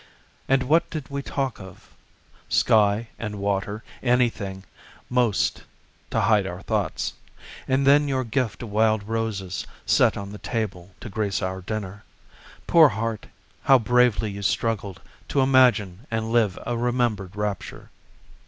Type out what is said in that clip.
And what did we talk of?—sky and water, Anything, 'most, to hide our thoughts. And then your gift of wild roses, Set on the table to grace our dinner. Poor heart, how bravely you struggled To imagine and live a remembered rapture!